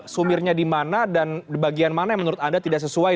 sumirnya di mana dan bagian mana yang menurut anda tidak sesuai